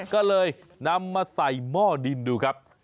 ก็เลยนำมาใส่หม้อดินดูครับ